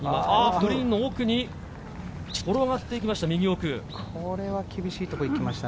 グリーンの奥に転がっていきました。